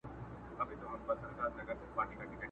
زه خو نه غواړم ژوندون د بې هنبرو؛